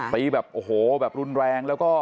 ตีแบบโอ้โหแบบรุนแรงแล้วก็